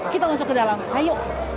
kita masuk ke dalam ayo